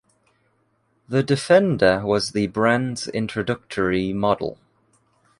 The Defender was the brand’s introductory model.